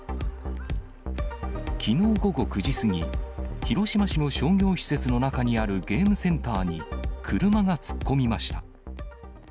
きのう午後９時過ぎ、広島市の商業施設の中にあるゲームセンターに、車が突っ込みました。